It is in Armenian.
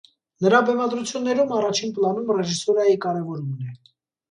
Նրա բեմադրություններում առաջին պլանում ռեժիսուրայի կարևորումն է։